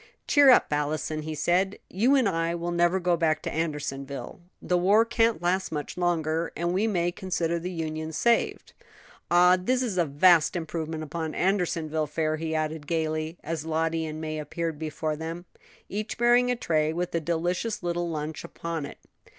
"Cheer up, Allison," he said; "you and I will never go back to Andersonville; the war can't last much longer, and we may consider the Union saved. Ah! this is a vast improvement upon Andersonville fare," he added gayly, as Lottie and May appeared before them, each bearing a tray with a delicious little lunch upon it.